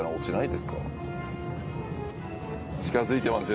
近づいてますよ。